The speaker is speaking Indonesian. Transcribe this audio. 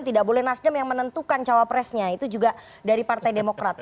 tidak boleh nasdem yang menentukan cawapresnya itu juga dari partai demokrat